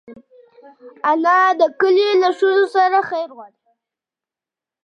انا د کلي له ښځو سره خیر غواړي